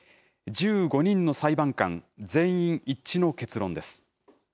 １５人の裁判官全員一致の結論です。